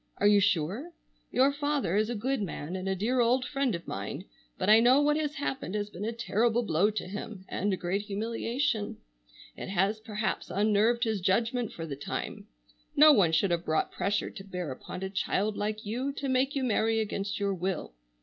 Are you sure? Your father is a good man, and a dear old friend of mine, but I know what has happened has been a terrible blow to him, and a great humiliation. It has perhaps unnerved his judgment for the time. No one should have brought pressure to bear upon a child like you to make you marry against your will.